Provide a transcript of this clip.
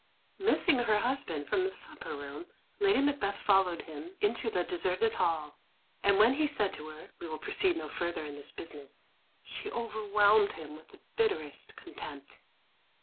Missing her husband from the supper room, Lady Macbeth followed him into the deserted hall, and when he said to her, "We will proceed no further in this business," she overwhelmed him with the bitterest contempt.